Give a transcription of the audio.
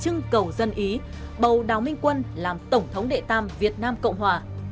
trưng cầu dân ý bầu đào minh quân làm tổng thống đệ tam việt nam cộng hòa